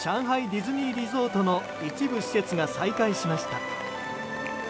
ディズニーリゾートの一部施設が再開しました。